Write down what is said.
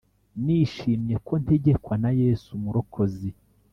Nishimye ko ntegekwa na yesu murokozi